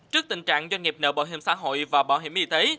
trước tình trạng doanh nghiệp nợ bảo hiểm xã hội và bảo hiểm y tế